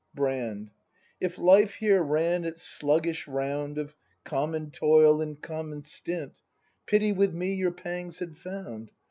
Brand. If life here ran its sluggish round Of common toil and common stint, Pity with me your pangs had found.